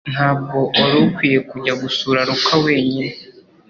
Ntabwo wari ukwiye kujya gusura Luka wenyine